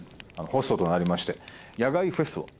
ホストとなりまして野外フェスを。